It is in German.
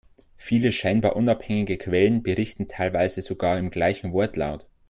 Viele scheinbar unabhängige Quellen, berichten teilweise sogar im gleichen Wortlaut.